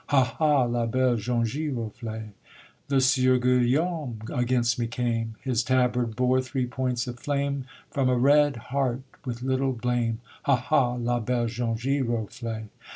Hah! hah! la belle jaune giroflée. The Sieur Guillaume against me came, His tabard bore three points of flame From a red heart: with little blame, _Hah! hah! la belle jaune giroflée.